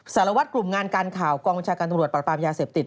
สารวัตรกลุ่มงานการข่าวกองบัญชาการตำรวจปรับปรามยาเสพติด